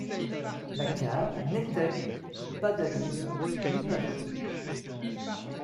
La cave n’était pas dallée ni pavée.